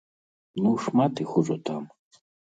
Ну шмат іх ужо там.